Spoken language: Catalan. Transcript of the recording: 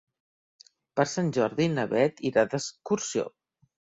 Per Sant Jordi na Bet irà d'excursió.